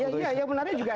ya yang menarik juga